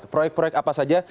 proyek proyek apa saja